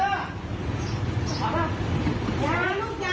ให้โทรแจ้งความสิครับ